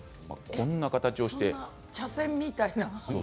そんな、茶せんみたいな。